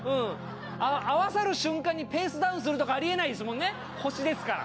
合わさる瞬間にペースダウンするとかありえないですもんね、星ですから。